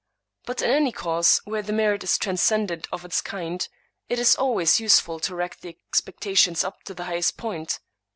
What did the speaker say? But in any case where the merit is transcendent of its kind, it is always useful to rack the expectation up to the highest point.